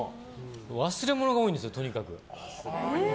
忘れ物が多いんですよ、とにかく。